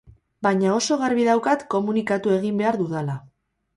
Baina oso garbi daukat komunikatu egin behar dudala.